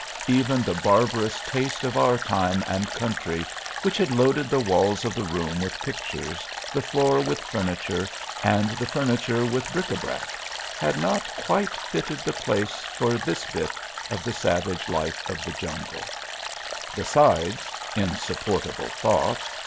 Even the barbarous taste of our time and country, which had loaded the walls of the room with pictures, the floor with furniture and the furniture with bric a brac, had not quite fitted the place for this bit of the savage life of the jungle. Besides insupportable thought!